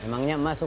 emangnya mak suka